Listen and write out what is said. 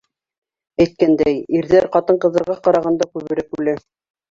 Әйткәндәй, ирҙәр ҡатын-ҡыҙҙарға ҡарағанда күберәк үлә.